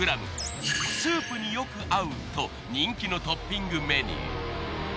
スープによく合うと人気のトッピングメニュー。